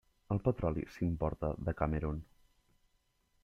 El petroli s'importa de Camerun.